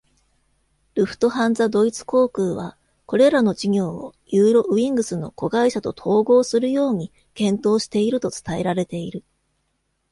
ルフトハンザドイツ航空は、これらの事業をユーロウイングスの子会社と統合するように検討していると伝えられている。